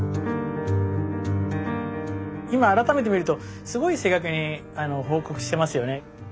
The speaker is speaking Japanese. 今改めて見るとすごい正確に報告してますよね。